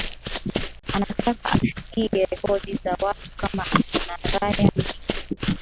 anataka afikie rekodi za watu kama akina ryan giggs